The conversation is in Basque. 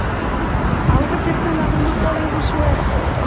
Hau betetzen lagunduko diguzue?